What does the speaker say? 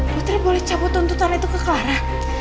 putri boleh cabut tuntutan itu ke clara